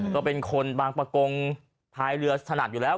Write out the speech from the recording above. ก็เป็นคนบางประกงพายเรือถนัดอยู่แล้ว